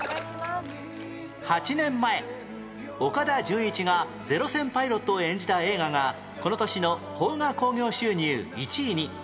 ８年前岡田准一が零戦パイロットを演じた映画がこの年の邦画興行収入１位に